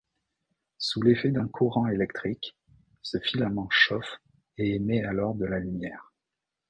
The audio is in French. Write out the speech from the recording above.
Sous l’effet d’un courant électrique, ce filament chauffe et émet alors de la lumière.